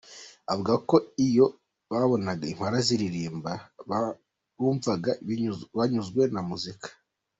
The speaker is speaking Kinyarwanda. Avuga ko iyo babonaga impala riririmba bumvaga banyuzwe na muzika.